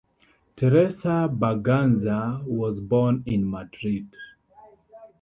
Teresa Berganza was born in Madrid.